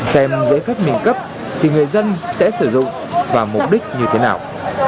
xem giấy phép miễn cấp thì người dân sẽ sử dụng và mục đích như thế nào